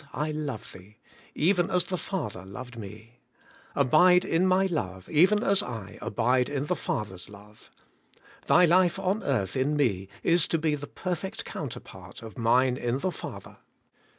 I love thee, even as the Father loved me. Abide in my love, even as I abide in the Father's love. Thy life on earth in me is to be the perfect counterpart of mine in the Father.'